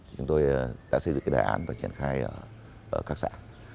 chúng tôi đã xây dựng đề án và triển khai ở các xã